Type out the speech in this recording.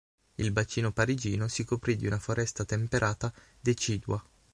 Il bacino parigino si coprì di una foresta temperata decidua.